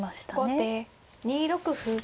後手２六歩。